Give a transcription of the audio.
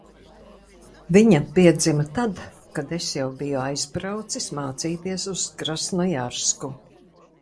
Viņa piedzima tad, kad es jau biju aizbraucis mācīties uz Krasnojarsku.